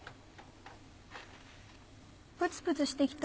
プツプツしてきた。